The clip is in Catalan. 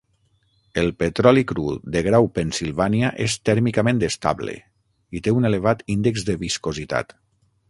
El petroli cru de grau Pennsilvània és tèrmicament estable i té un elevat índex de viscositat.